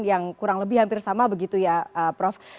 yang kurang lebih hampir sama begitu ya prof